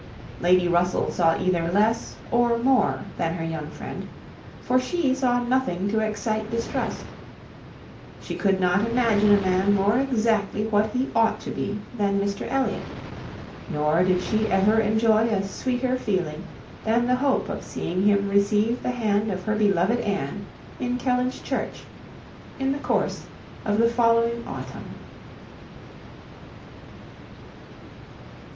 Lady Russell saw either less or more than her young friend, for she saw nothing to excite distrust. She could not imagine a man more exactly what he ought to be than Mr Elliot; nor did she ever enjoy a sweeter feeling than the hope of seeing him receive the hand of her beloved Anne in Kellynch church, in the course of the following autumn.